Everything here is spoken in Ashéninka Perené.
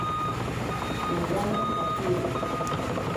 Nowairo kashiri.